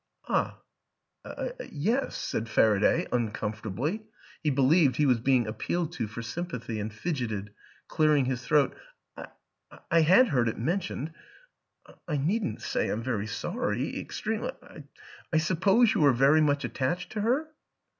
"Ah yes," said Faraday uncomfortably; he believed he was being appealed to for sympathy, and fidgeted, clearing his throat; "I I had heard it mentioned. I needn't say I'm very sorry extremely. ... I suppose you were very much attached to her?